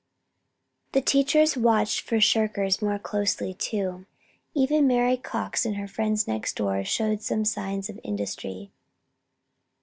The teachers watched for shirkers more closely, too. Even Mary Cox and her friends next door showed some signs of industry.